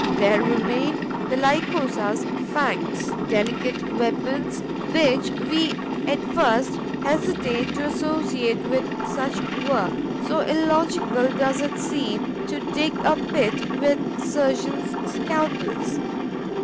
There remain the Lycosa's fangs, delicate weapons which we at first hesitate to associate with such work, so illogical does it seem to dig a pit with surgeon's scalpels.